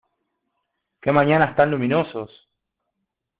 Qué mañanas tan luminosos.